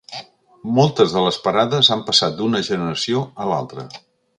Moltes de les parades han passat d'una generació a l'altra.